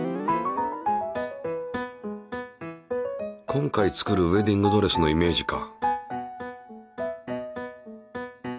今回作るウエディングドレスのイメージか。